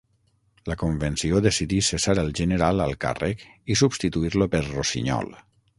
La Convenció decidí cessar el general al càrrec i substituir-lo per Rossinyol.